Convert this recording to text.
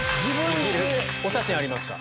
お写真あります。